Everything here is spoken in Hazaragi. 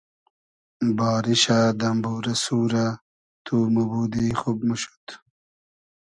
باریشۂ ، دئمبورۂ سورۂ تو موبودی خوب موشود